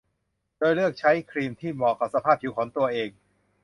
โดยเลือกใช้ครีมที่เหมาะกับสภาพผิวของตัวเอง